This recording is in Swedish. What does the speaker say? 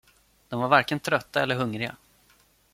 De var varken trötta eller hungriga.